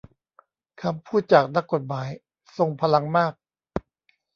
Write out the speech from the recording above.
คำพูดจากนักกฎหมายทรงพลังมาก